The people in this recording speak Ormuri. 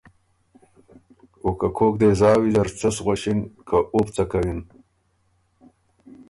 او که کوک دې زا ویزر څۀ سو غؤݭی که او بو څۀ کوِن۔